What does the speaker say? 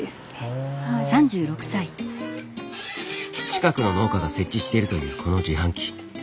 近くの農家が設置しているというこの自販機。